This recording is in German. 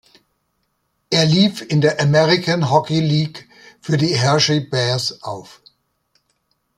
Er lief in der American Hockey League für die Hershey Bears auf.